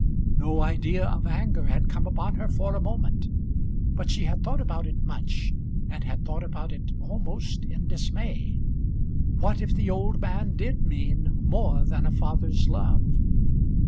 No idea of anger had come upon her for a moment; but she had thought about it much, and had thought about it almost in dismay. What if the old man did mean more than a father's love?